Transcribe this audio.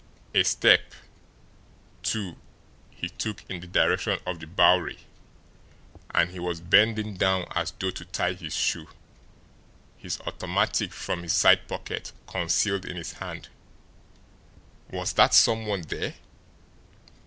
A step, two, he took in the direction of the Bowery and he was bending down as though to tie his shoe, his automatic, from his side pocket, concealed in his hand. WAS THAT SOME ONE THERE?